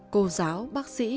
cô giáo bác sĩ